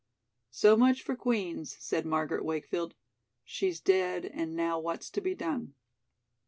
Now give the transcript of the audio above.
"So much for Queen's," said Margaret Wakefield. "She's dead and now what's to be done?"